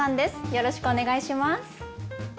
よろしくお願いします。